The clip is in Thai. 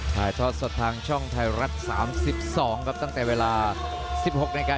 ถ่ายทอดสดทางช่องไทยรัฐสามสิบสองครับตั้งแต่เวลาสิบหกนาฬิกา